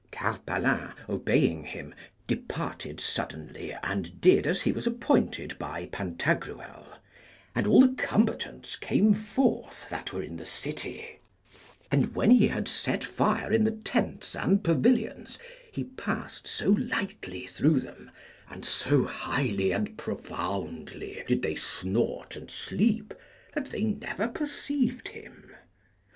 Carpalin, obeying him, departed suddenly and did as he was appointed by Pantagruel, and all the combatants came forth that were in the city, and when he had set fire in the tents and pavilions, he passed so lightly through them, and so highly and profoundly did they snort and sleep, that they never perceived him.